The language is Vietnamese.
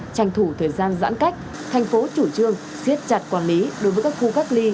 tranh thủ thời gian giãn cách thành phố chủ trương siết chặt quản lý đối với các khu cách ly